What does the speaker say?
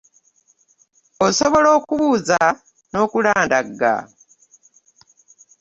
Osobola okubuuza n'okulandagga.